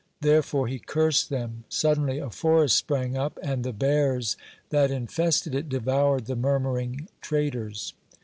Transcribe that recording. Therefore he cursed them. Suddenly a forest sprang up and the bears that infested it devoured the murmuring traders.